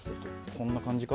こんな感じか？